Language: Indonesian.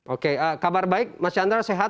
oke kabar baik mas chandra sehat